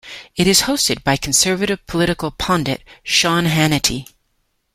It is hosted by conservative political pundit Sean Hannity.